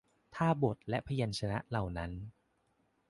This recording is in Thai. ถ้าบทและพยัญชนะเหล่านั้น